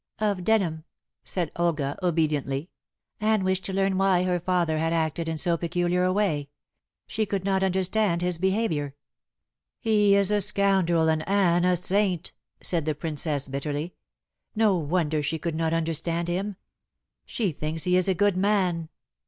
"Of Denham," said Olga obediently. "Anne wished to learn why her father had acted in so peculiar a way. She could not understand his behavior." "He is a scoundrel and Anne a saint," said the Princess bitterly. "No wonder she could not understand him. She thinks he is a good man."